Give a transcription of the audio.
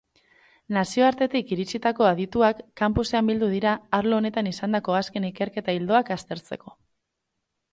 Nazioartetik iritsitako adituak campusean bildu dira arlo honetan izandako azken ikerketa ildoak aztertzeko.